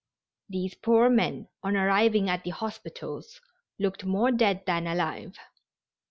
These poor men, on arriving at the hospitals, looked more dead than alive.